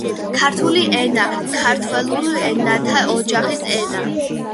ქართული ენა — ქართველურ ენათა ოჯახის ენა.